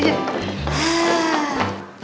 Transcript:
yuk yuk yuk yuk